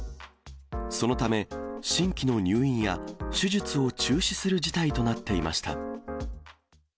そのため、新規の入院や手術を中止する事態となっていました。